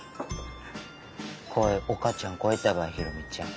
これ岡ちゃん超えたばい宏美ちゃん。